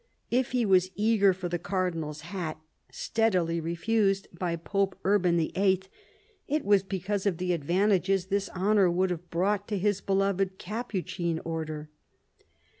If he was eager for the Cardinal's Hat steadily refused by Pope Urban VIII., it was because of the advantages this honour would have brought to his beloved Capuchin Order.